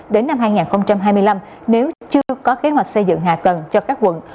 đến năm hai nghìn hai mươi năm nếu chưa có kế hoạch xây dựng hạ tầng cho các quận